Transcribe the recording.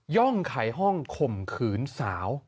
่องไขห้องข่มขืนสาว